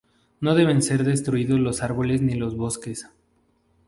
No deben ser destruidos los árboles ni los bosques.